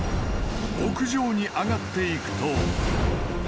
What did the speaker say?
屋上に上がっていくと。